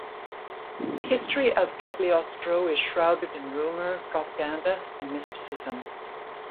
The history of Cagliostro is shrouded in rumour, propaganda, and mysticism.